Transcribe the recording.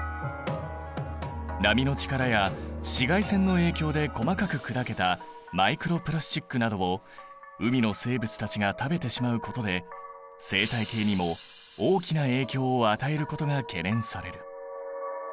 波の力や紫外線の影響で細かく砕けたマイクロプラスチックなどを海の生物たちが食べてしまうことで生態系にも大きな影響を与えることが懸念される。